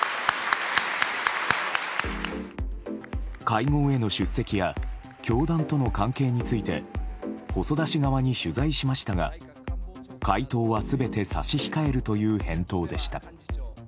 会合への出席や教団との関係について細田氏側に取材しましたが回答は全て差し控えるという返答でした。